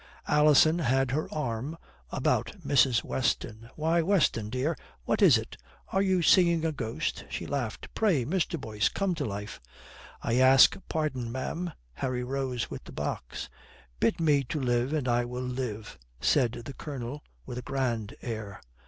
Alison had her arm about Mrs. Weston: "Why, Weston, dear, what is it? Are you seeing a ghost?" She laughed. "Pray, Mr. Boyce, come to life." "I ask pardon, ma'am." Harry rose with the box. "'Bid me to live and I will live,'" said the Colonel, with a grand air.